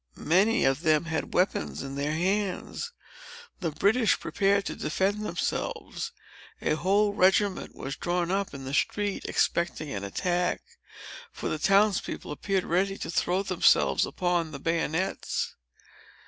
Many of them had weapons in their hands. The British prepared to defend themselves. A whole regiment was drawn up in the street, expecting an attack; for the townsmen appeared ready to throw themselves upon the bayonets."